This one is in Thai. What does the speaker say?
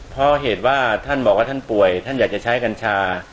เพราะเหตุว่าท่านบอกว่าท่านป่วยท่านอยากจะใช้กัญชา